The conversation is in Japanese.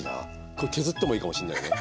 これ削ってもいいかもしんないね